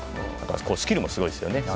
スキルもすごいですよね。